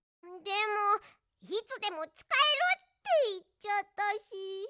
でも「いつでもつかえる」っていっちゃったし。